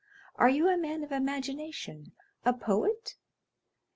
Are you a man of imagination—a poet?